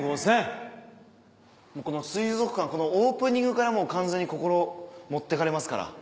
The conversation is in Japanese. この水族館オープニングから完全に心持ってかれますから。